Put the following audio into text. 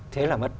thế là mất